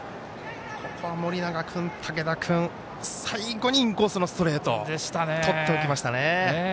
ここは盛永君、武田君最後にインコースのストレートをとっておきましたね。